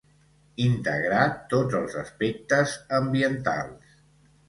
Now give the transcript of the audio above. Integrar tots els aspectes ambientals.